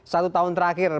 satu tahun terakhir